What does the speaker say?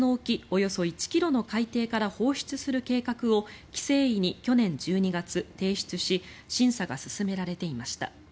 およそ１ｋｍの海底から放出する計画を規制委に去年１２月、提出し審査が進められていました。